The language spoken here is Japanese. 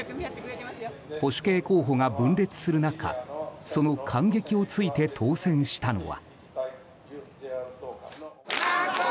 保守系候補が分裂する中その間隙をついて当選したのは。